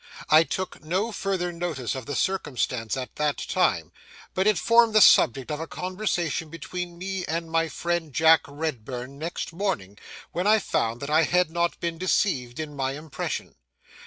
I took no further notice of the circumstance at that time, but it formed the subject of a conversation between me and my friend Jack Redburn next morning, when I found that I had not been deceived in my impression.